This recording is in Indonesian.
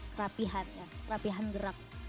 kerapihan ya kerapihan gerak